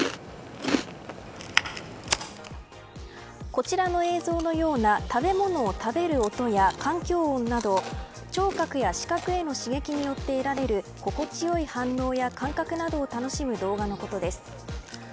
こちらの映像のような食べ物を食べる音や環境など聴覚や視覚への刺激によって得られる心地よい反応や感覚などを楽しむ動画のことです。